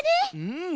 うん。